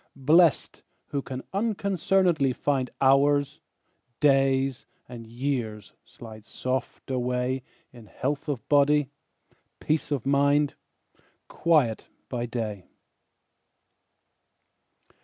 Blest, who can unconcern'dly find Hours, days, and years, slide soft away In health of body, peace of mind, Quiet by day.